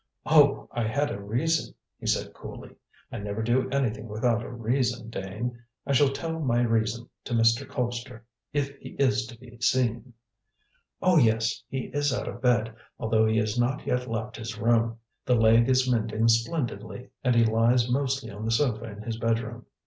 "Oh, I had a reason," he said coolly. "I never do anything without a reason, Dane. I shall tell my reason to Mr. Colpster, if he is to be seen." "Oh, yes. He is out of bed, although he has not yet left his room. The leg is mending splendidly, and he lies mostly on the sofa in his bedroom.